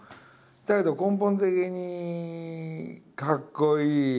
だけど根本的に「かっこいい」。